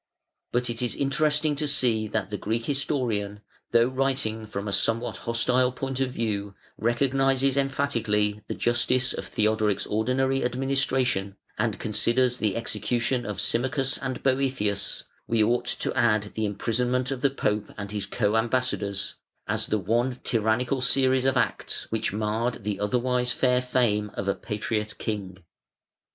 But it is interesting to see that the Greek historian, though writing from a somewhat hostile point of view, recognises emphatically the justice of Theodoric's ordinary administration, and considers the execution of Symmachus and Boëthius (we ought to add the imprisonment of the Pope and his co ambassadors) as the one tyrannical series of acts which marred the otherwise fair fame of a patriot king.